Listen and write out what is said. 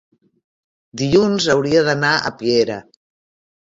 dilluns hauria d'anar a Piera.